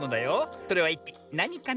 それはいったいなにかな？